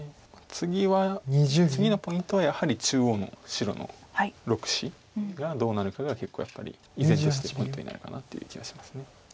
次は次のポイントはやはり中央の白の６子がどうなるかが結構やっぱり依然としてポイントになるかなという気がします。